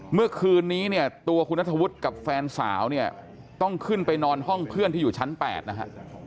เมื่อคืนนี้เนี่ยตัวคุณนัทธวุฒิกับแฟนสาวเนี่ยต้องขึ้นไปนอนห้องเพื่อนที่อยู่ชั้น๘นะฮะ